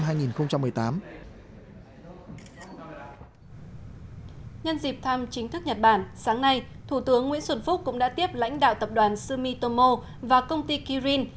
nhân dịp thăm chính thức nhật bản sáng nay thủ tướng nguyễn xuân phúc cũng đã tiếp lãnh đạo tập đoàn sumitomo và công ty kirin